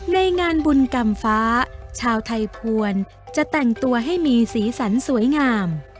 ในงานบุญกรรมฟ้าชาวไทยภวรจะแต่งตัวให้มีสีสันสวยงาม